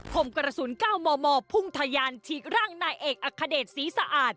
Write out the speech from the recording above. พ่มกระสุนเก้ามอมอมพุ่งทะยานทีร่างนายเอกอัคเดชสีสะอาด